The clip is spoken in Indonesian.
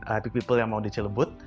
epic people yang mau di cilebut